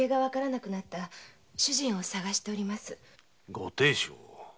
ご亭主を？